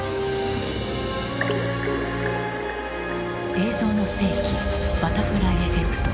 「映像の世紀バタフライエフェクト」。